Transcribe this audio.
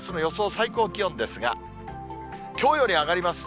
最高気温ですが、きょうより上がります。